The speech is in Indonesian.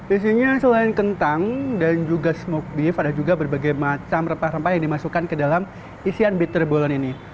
isinya selain kentang dan juga smoke beef ada juga berbagai macam rempah rempah yang dimasukkan ke dalam isian beather bolon ini